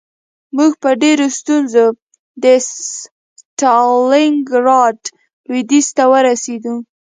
موږ په ډېره ستونزه د ستالینګراډ لویدیځ ته ورسېدو